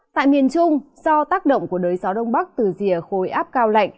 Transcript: tại miền trung do tác động của đới gió đông bắc từ rìa khối áp cao lạnh